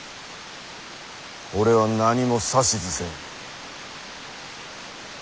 俺は何も指図せん。